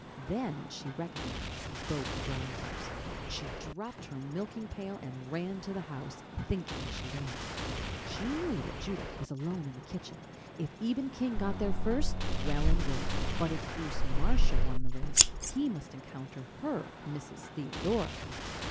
Then she recognized both drivers. She dropped her milking pail and ran to the house, thinking as she ran. She knew that Judith was alone in the kitchen. If Eben King got there first, well and good, but if Bruce Marshall won the race he must encounter her, Mrs. Theodora.